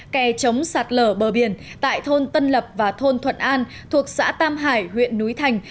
kè chống sạt lở bờ biển tại thôn tân lập và thôn thuận an thuộc xã tam hải huyện núi thành